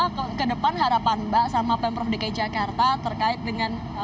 nah ke depan harapan mbak sama pemprov dki jakarta terkait dengan